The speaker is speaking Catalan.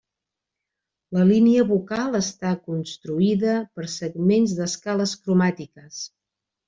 La línia vocal està construïda per segments d’escales cromàtiques.